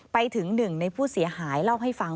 ไปถึงหนึ่งในผู้เสียหายเล่าให้ฟัง